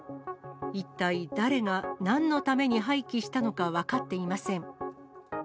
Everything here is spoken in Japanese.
一体誰が、なんのために廃棄したのか分かっていません。